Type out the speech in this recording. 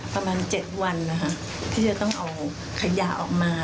ประมาณ๗วันนะคะที่จะต้องเอาขยะออกมา